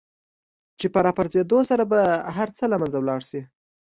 چې په را پاڅېدو سره به هر څه له منځه ولاړ شي.